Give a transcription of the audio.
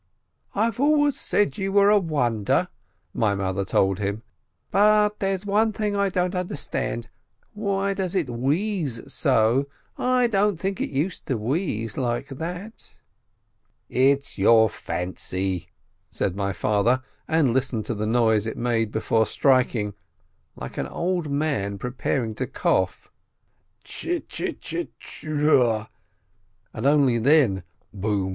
"I always said you were a wonder," my mother told him. "But there is one thing I don't understand : why does it wheeze so ? I don't think it used to wheeze like that." "It's your fancy," said my father, and listened to the noise it made before striking, like an old man preparing to cough: chil chil chil chil trrrr ... and only then: bom !